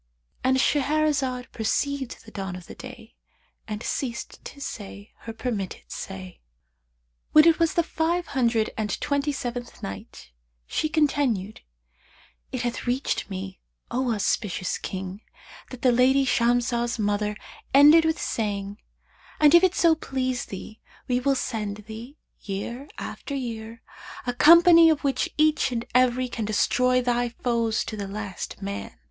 '"—And Shahrazad perceived the dawn of day and ceased saying her permitted say. When it was the Five Hundred and Twenty seventh Night, She continued, It hath reached me, O auspicious King, that "the lady Shamsah's mother ended with saying, 'And if it so please thee we will send thee, year after year, a company of which each and every can destroy thy foes to the last man.'